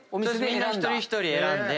一人一人選んで。